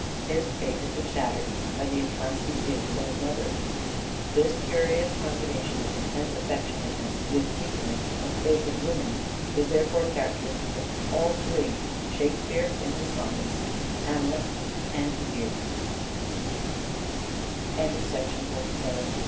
His faith had been shattered by the inconstancy of his own mother. This curious combination of intense affectionateness with weakness of faith in women is therefore characteristic of all three, "Shakespeare" (in his sonnets), Hamlet, a